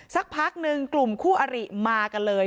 สักพักหนึ่งกลุ่มคู่อริมากันเลย